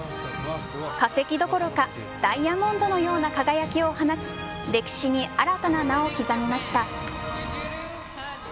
化石どころかダイヤモンドのような輝きを放ち歴史に新たな名を刻みました。